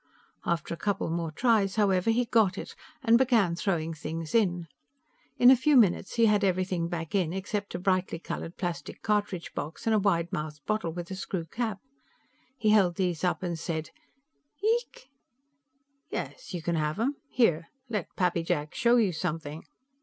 After a couple more tries, however, he got it, and began throwing things in. In a few minutes, he had everything back in except a brightly colored plastic cartridge box and a wide mouthed bottle with a screw cap. He held these up and said, "Yeek?" "Yes, you can have them. Here; let Pappy Jack show you something."